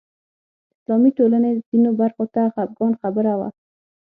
اسلامي ټولنې ځینو برخو ته خپګان خبره وه